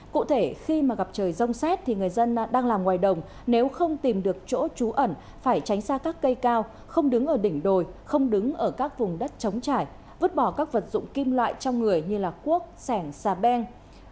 cụ thể khi mà gặp trời rông xét thì người dân đang làm ngoài đồng nếu không tìm được chỗ trú ẩn phải tránh xa các cây cao không đứng ở đỉnh đồi không đứng ở các vùng đất chống chảy vứt bỏ các vật dụng kim loại trong người như là cuốc sẻng xà beng